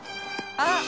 あっ。